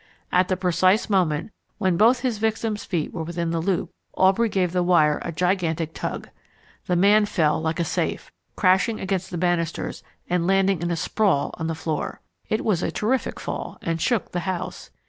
At the precise moment, when both his victim's feet were within the loop, Aubrey gave the wire a gigantic tug. The man fell like a safe, crashing against the banisters and landing in a sprawl on the floor. It was a terrific fall, and shook the house.